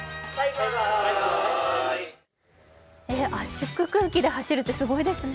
圧縮空気で走るってすごいですね。